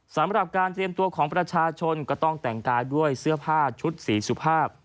สำหรับการเตรียมตัวของประชาชนก็ต้องแต่งกายด้วยเสื้อผ้าชุดสีสุภาพ